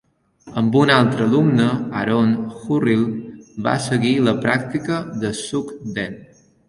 Amb un altre alumne, Aaron Hurrill, va seguir la pràctica de Sugden.